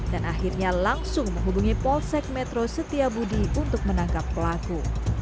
dan akhirnya langsung menghubungi polsek metro setiabudi untuk menangkap pelaku